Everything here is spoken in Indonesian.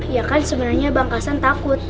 ya kan sebenarnya bang kasan takut